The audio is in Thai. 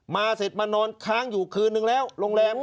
เสร็จมานอนค้างอยู่คืนนึงแล้วโรงแรม